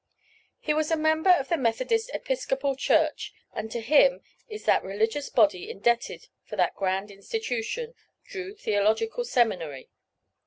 He was a member of the Methodist Episcopal Church, and to him is that religious body indebted for that grand institution, "Drew Theological Seminary."